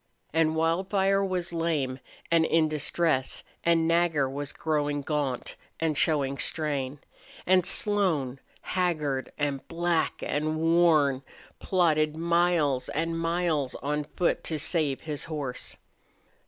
And Wildfire was lame and in distress and Nagger was growing gaunt and showing strain; and Slone, haggard and black and worn, plodded miles and miles on foot to save his horse.